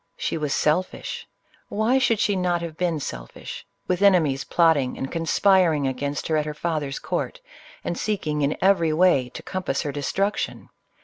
She was sel fish :— why should she not have been selfish, with ene mies plotting and conspiring against her at her father's court, and seeking in every way to compass her de struction?